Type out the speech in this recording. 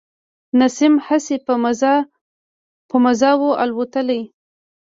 نسیم هسي په مزه و الوتلی.